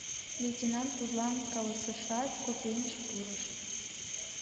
— лейтенант тудлан каласышат, кофейньыш пурыш.